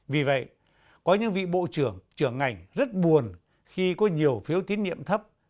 vì vậy có những vị bộ trưởng trưởng ngành rất buồn khi có nhiều phiếu tín nhiệm thấp